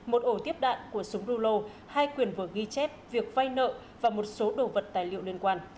một ổ tiếp đạn của súng rưu lô hai quyền vừa ghi chép việc phai nợ và một số đồ vật tài liệu liên quan